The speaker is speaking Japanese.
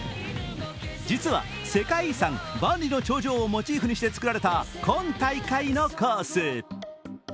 実は、世界遺産万里の長城をモチーフにして作られた今大会のコース。